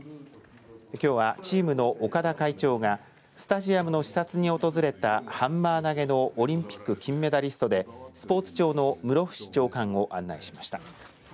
きょうはチームの岡田会長がスタジアムの視察に訪れたハンマー投げのオリンピック金メダリストでスポーツ庁の室伏長官を案内しました。